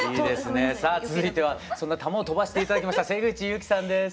さあ続いてはそんな弾を飛ばして頂きました瀬口侑希さんです。